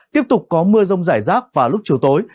tiếp tục có mưa rông rải rác vào lúc chiều tối